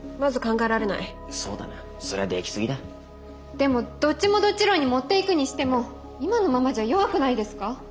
でもどっちもどっち論に持っていくにしても今のままじゃ弱くないですか？